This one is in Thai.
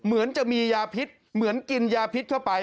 เหมือนจะกินยาพิษเข้าไป